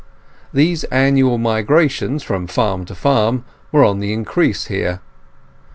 These annual migrations from farm to farm were on the increase here.